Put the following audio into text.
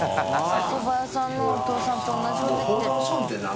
おそば屋さんのお父さんと同じこと言ってる。